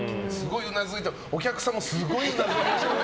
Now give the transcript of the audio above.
お客さんもすごいうなずいている。